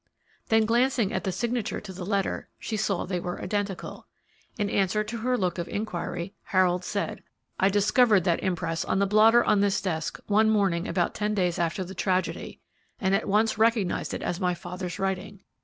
Then glancing at the signature to the letter, she saw they were identical. In answer to her look of inquiry, Harold said, "I discovered that impress on the blotter on this desk one morning about ten days after the tragedy, and at once recognized it as my father's writing.